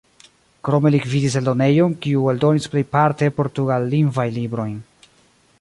Krome li gvidis eldonejon, kiu eldonis plejparte portugallingvajn librojn.